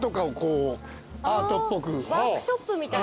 ワークショップみたいな？